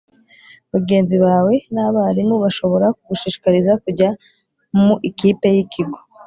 Bagenzi bawe n abarimu bashobora kugushishikariza kujya mu ikipe y ikigo